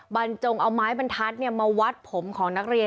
บรรจงเอาไม้บรรทัศน์มาวัดผมของนักเรียน